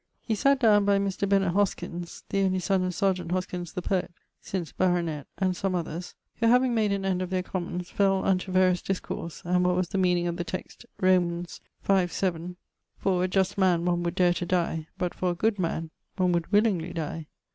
He sate downe by Mr. Bennet Hoskyns (the only son of serjeant Hoskyns the poet), since baronet, and some others; who having made an end of their commons, fell unto various discourse, and what was the meaning of the text (Rom. 5. 7) 'For a just man one would dare to die; but for a good man one would willingly die.'